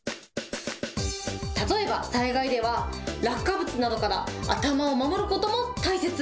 例えば、災害では落下物などから頭を守ることも大切。